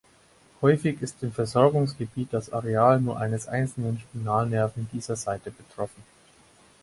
Häufig ist im Versorgungsgebiet das Areal nur eines einzelnen Spinalnerven dieser Seite betroffen.